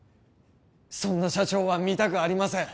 そんな社長は見たくありません